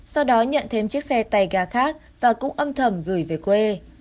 sau đó nhận thêm chiếc xe tay gà khác và cũng âm thầm gửi về quê